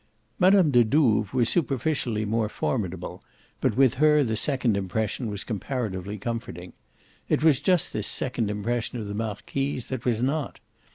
Mme. de Douves was superficially more formidable, but with her the second impression was comparatively comforting. It was just this second impression of the marquise that was not.